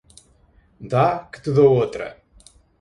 Dá que te dou outra!